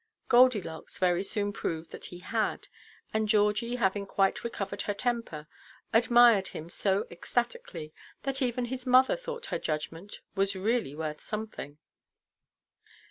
Goldylocks very soon proved that he had; and Georgie, having quite recovered her temper, admired him so ecstatically, that even his mother thought her judgment was really worth something.